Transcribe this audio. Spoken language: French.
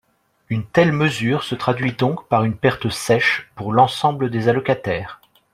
Une telle mesure se traduit donc par une perte sèche pour l’ensemble des allocataires.